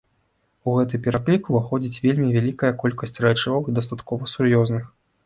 У гэты пералік уваходзіць вельмі вялікая колькасць рэчываў, і дастаткова сур'ёзных.